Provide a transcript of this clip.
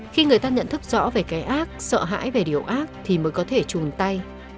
khi người ta nhận thức rõ về cái ác sợ hãi về điều ác thì mới có thể chùm tay